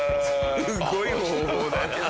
すごい方法だね。